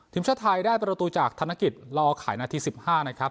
ทีมชาติไทยได้ประตูจากธนกิจรอขายนาที๑๕นะครับ